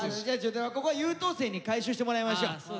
じゃあここは優等生に回収してもらいましょう。